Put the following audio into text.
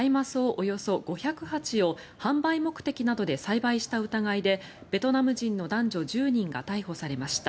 およそ５００鉢を販売目的などで栽培した疑いでベトナム人の男女１０人が逮捕されました。